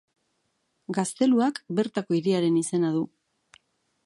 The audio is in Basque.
Gazteluak bertako hiriaren izena du.